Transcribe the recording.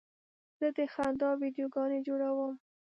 زه د خندا ویډیوګانې جوړوم.